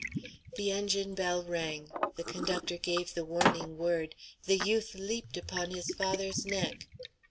The engine bell rang. The conductor gave the warning word, the youth leaped upon his father's neck.